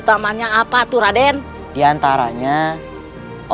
jadi anda bisa berhubungan sama gua